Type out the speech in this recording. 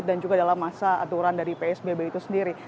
dan juga dalam masa aturan dari psbb itu sendiri